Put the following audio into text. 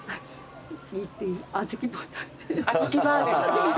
あずきバーですか？